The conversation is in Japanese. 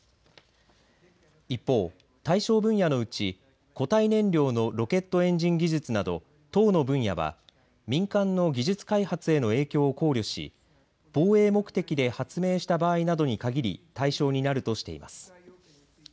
一方、対象分野のうち固体燃料のロケットエンジン技術など１０の分野は民間の技術開発への影響を考慮し防衛目的で発明した場合などに限り対象になるとしています。